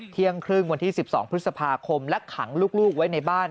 เที่ยงครึ่งวันที่๑๒พฤษภาคมและขังลูกไว้ในบ้าน